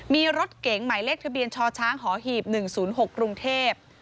มีรถเก๋งหมายเลขทะเบียนชชหอหีบ๑๐๖กรุงเทพ